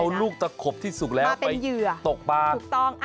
เอาลูกตะขบที่สุกแล้วไปตกปลาถูกต้องมาเป็นเหยื่อถูกต้อง